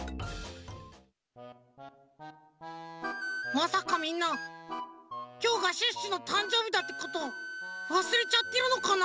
まさかみんなきょうがシュッシュのたんじょうびだってことわすれちゃってるのかな？